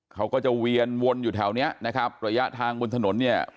เขาก็จะเวียนวนอยู่แถวเนี้ยนะครับระยะทางบนถนนเนี่ย